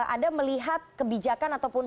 ada melihat kebijakan ataupun